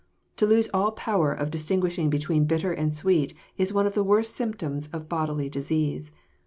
To lose all power of distinguishing between bitter and sweet is one of the worst symptoms of bodily disease.